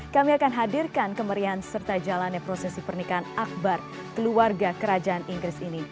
kami akan hadirkan kemerihan serta jalannya prosesi pernikahan akbar keluarga kerajaan inggris ini